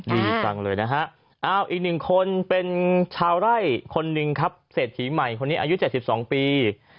ดีจังเลยนะฮะอีกหนึ่งคนเป็นชาวไร่คนหนึ่งครับเศรษฐีใหม่คนนี้อายุ๗๒ปี